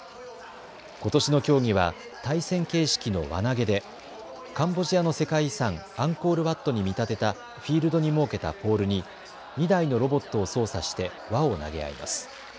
ことしの競技は対戦形式の輪投げでカンボジアの世界遺産、アンコールワットに見立てたフィールドに設けたポールに２台のロボットを操作して輪を投げ合います。